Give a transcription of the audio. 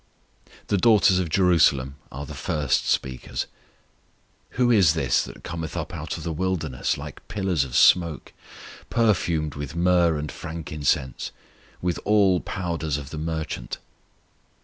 The daughters of Jerusalem are the first speakers. Who is this that cometh up out of the wilderness like pillars of smoke, Perfumed with myrrh and frankincense, With all powders of the merchant?